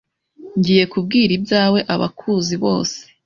Ngiye kubwira ibyawe abakuzi bose.